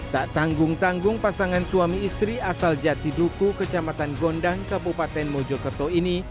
tak tanggung tanggung pasangan suami istri asal jati duku kecamatan gondang kepupaten mojokerto ini